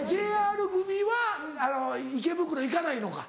ＪＲ組は池袋行かないのか。